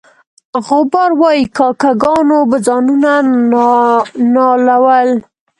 غبار وایي کاکه ګانو به ځانونه نالول.